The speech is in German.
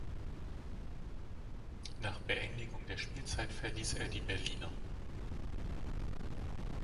Nach Beendigung der Spielzeit verließ er die Berliner.